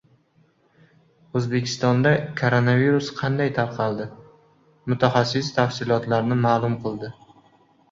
O‘zbekistonda koronavirus qanday tarqaldi? Mutaxassis tafsilotlarni ma’lum qildi